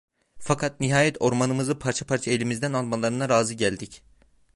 Fakat nihayet ormanımızı parça parça elimizden almalarına razı geldik.